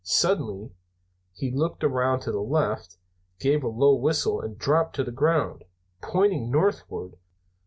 Suddenly he looked around to the left, gave a low whistle and dropped to the ground, pointing northward.